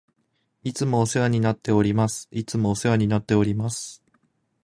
いつもお世話になっております。いつもお世話になっております。